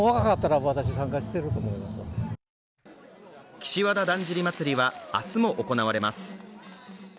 岸和田だんじり祭は明日も行われます。